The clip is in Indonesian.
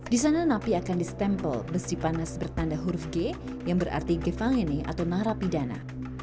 di sana napi akan di stempel besi panas bertanda huruf g yang berarti gevangene atau narapi dana